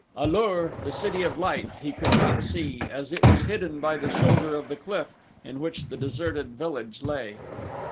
A lur, the City of Light, he could not see as it was hidden by the shoulder of the cliff in which the deserted village lay.